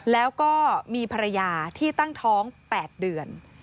แล้วก็มีภรรยาที่ตั้งท้อง๘เดือน